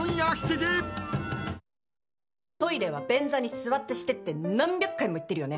トイレは便座に座ってしてって何百回も言ってるよね？